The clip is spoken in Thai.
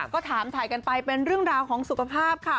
ก็ถามถ่ายกันไปเป็นเรื่องราวของสุขภาพค่ะ